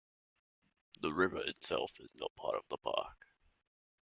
The river itself is not part of the park.